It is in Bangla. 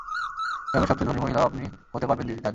গ্রামের সবচেয়ে ধনী মহিলাও আপনি হতে পারবেন দাদি।